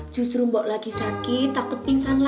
justru bu rono lagi sakit